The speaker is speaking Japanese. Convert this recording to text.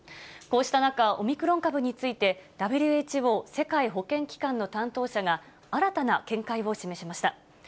こうした中、オミクロン株についてＷＨＯ・世界保健機関の担当者が、新たな見解を示しました。